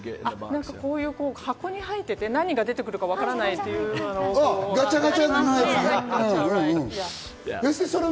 なんか、こういう箱に入ってて、何が出てくるかわからないというようなもの。